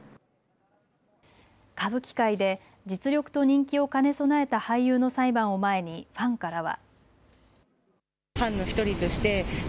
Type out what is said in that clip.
歌舞伎界で実力と人気を兼ね備えた俳優の裁判を前にファンからは。